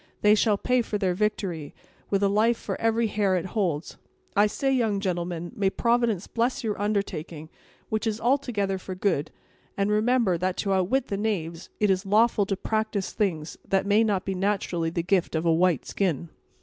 They shall pay for their victory, with a life for every hair it holds. I say, young gentleman, may Providence bless your undertaking, which is altogether for good; and, remember, that to outwit the knaves it is lawful to practise things that may not be naturally the gift of a white skin."